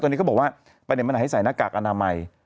ตอนนี้เขาบอกว่าประเด็นบันไดให้ใส่หน้ากากอนามัย